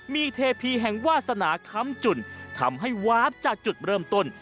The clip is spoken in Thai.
มีเทพีแห่งวาสนาค้ำจุ่นทำให้วาบจากจุดเริ่มต้น